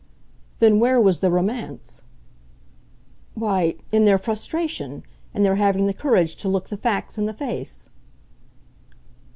"Then where was the romance?" "Why, in their frustration, in their having the courage to look the facts in the face."